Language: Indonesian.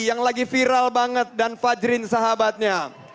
yang lagi viral banget dan fajrin sahabatnya